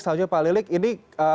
selanjutnya pak lilik ini